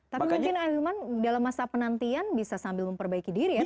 tapi mungkin ahilman dalam masa penantian bisa sambil memperbaiki diri ya